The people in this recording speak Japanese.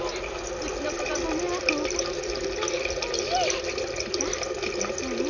うちの子がご迷惑をおかけしちゃっていえさぁ行きましょうね